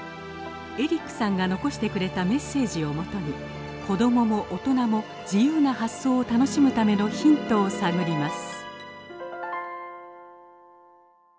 エリックさんが残してくれたメッセージをもとに子どもも大人も自由な発想を楽しむためのヒントを探ります